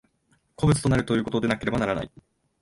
個物となるということでなければならない。